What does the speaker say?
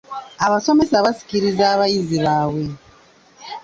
Abasomesa basikiriza abayizi baabwe.